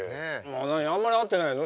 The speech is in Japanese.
何あんまり会ってないの？